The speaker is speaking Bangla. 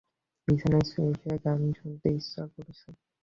বিছানায় শুয়ে-শুয়ে গান শুনতে ইচ্ছা করছে।